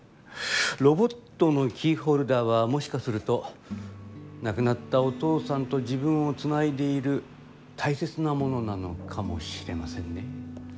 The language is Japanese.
ロボットのキーホルダーはもしかすると亡くなったお父さんと自分をつないでいるたいせつなものなのかもしれませんね。